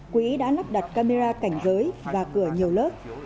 quỹ đã lắp đặt camera cảnh giới và cửa nhiều lớp